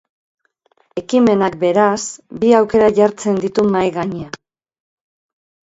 Ekimenak, beraz, bi aukera jartzen ditu mahai gainean.